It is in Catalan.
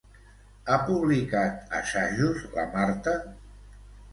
Ha publicat assajos, la Marta?